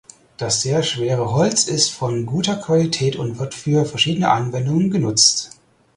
Das sehr schwere Holz ist von guter Qualität und wird für verschiedene Anwendungen genutzt.